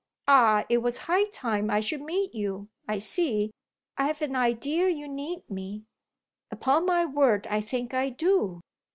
Ah it was high time I should meet you I see. I've an idea you need me." "Upon my word I think I do!"